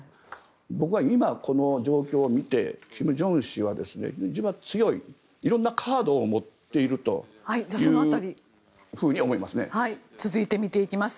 僕は今、この状況を見て金正恩氏は自分は強い、色んなカードを持っているというふうに思います。